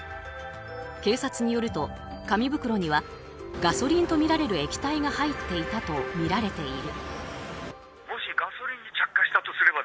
警察によると、紙袋にはガソリンとみられる液体が入っていたとみられている。